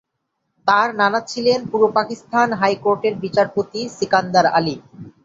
তার নানা ছিলেন পূর্ব পাকিস্তান হাইকোর্টের বিচারপতি সিকান্দার আলী।